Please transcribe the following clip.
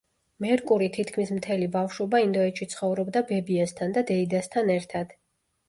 მერკური თითქმის მთელი ბავშვობა ინდოეთში ცხოვრობდა ბებიასთან და დეიდასთან ერთად.